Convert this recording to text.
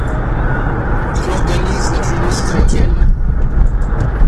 Il organise la Jeunesse Chrétienne.